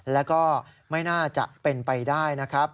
แล้วก็ไม่น่าจะเป็นไปได้นะครับ